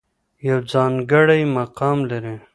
يو ځانګړے مقام لري